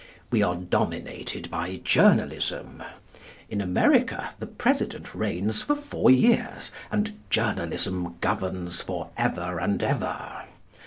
We are dominated by Journalism. In America the President reigns for four years, and Journalism governs for ever and ever.